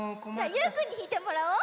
ゆうくんにひいてもらおう。